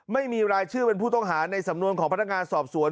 ไม่มีรายชื่อเป็นผู้ต้องหาในสำนวนของพนักงานสอบสวน